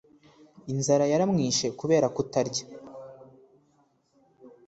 inzara yaramwishe kubera kutarya